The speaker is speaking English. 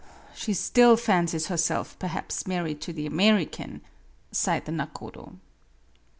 " She still fancies herself perhaps married to the American," sighed the nakodo.